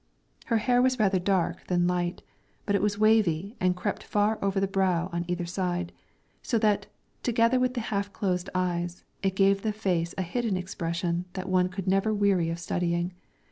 Her hair was rather dark than light, but it was wavy and crept far over the brow on either side, so that, together with the half closed eyes, it gave the face a hidden expression that one could never weary of studying.